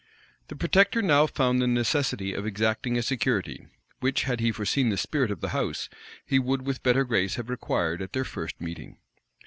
The protector now found the necessity of exacting a security, which, had he foreseen the spirit of the house, he would with better grace have required at their first meeting.